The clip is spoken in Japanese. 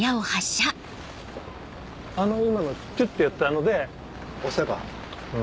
あの今のキュってやったので。